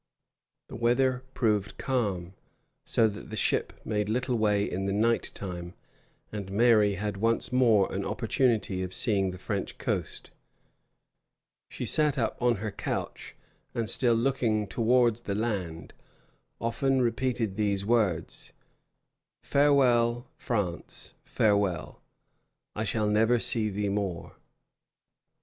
The weather proved calm, so that the ship made little way in the night time; and Mary had once more an opportunity of seeing the French coast. She sat up on her couch, and still looking towards the land, often repeated these words: "Farewell, France, farewell, I shall never see thee more."